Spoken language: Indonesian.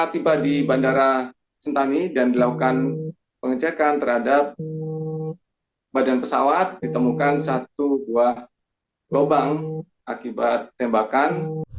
tidak ada korban